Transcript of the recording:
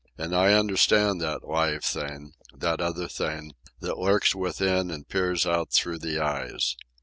And I understand that live thing, that other thing, that lurks within and peers out through the eyes.